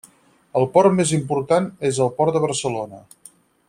El port més important és el port de Barcelona.